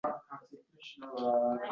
Bu zamonda yorug‘ dunyoda adolat bormi